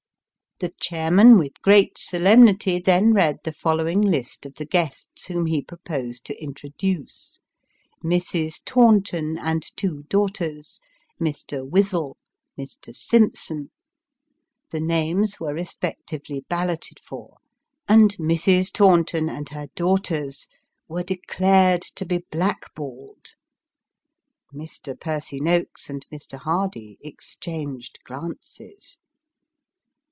The chairman with great solemnity then read the following list of the guests whom he proposed to introduce : Mrs. Taunton and two daughters, Mr. Wizzle, Mr. Simson. The names were respectively balloted for, and Mrs. Taunton and her daughters were declared to be black balled. Mr. Percy Noakes and Mr. Hardy exchanged glances.